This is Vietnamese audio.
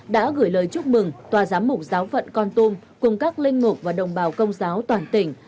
đã gửi lời chúc mừng tòa giám mục giáo phận con tum cùng các linh mục và đồng bào công giáo toàn tỉnh